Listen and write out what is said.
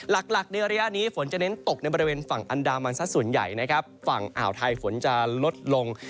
หลักในระยะนี้ฝนจะเน้นตกในบริเวณฝั่งอันดามันสักส่วนใหญ่นะครับฝั่งอ่าวไทยฝนจะลดลง